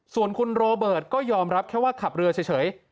ส่วนคุณโรเบิร์ตก็ยอมรับแค่ว่าขับเรือเฉย